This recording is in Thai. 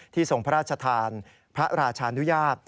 ทรงพระราชทานพระราชานุญาต